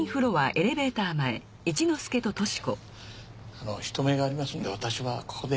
あの人目がありますんで私はここで。